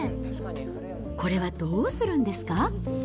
これはどうするんですか？